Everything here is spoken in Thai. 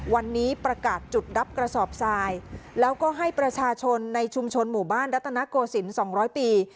วันนี้ประกาศจุดรับกระสอบทรายแล้วก็ให้ประชาชนในชุมชนหมู่บ้านรัตนโกศิลป์๒๐๐ปี